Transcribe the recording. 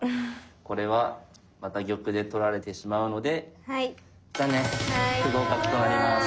これはまた玉で取られてしまうので残念不合格となります。